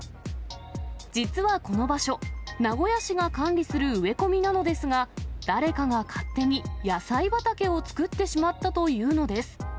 実はこの場所、名古屋市が管理する植え込みなのですが、誰かが勝手に野菜畑を作ってしまったというのです。